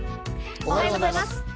おはようございます。